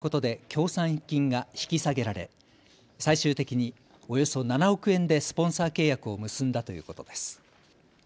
しかしその後、元理事が仲介することで協賛金が引き下げられ最終的におよそ７億円でスポンサー契約を結んだということです。